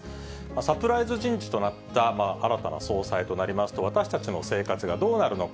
サプライズ人事となった新たな総裁となりますと、私たちの生活がどうなるのか。